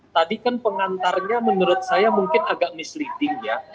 tadi kan pengantarnya menurut saya mungkin agak misleading ya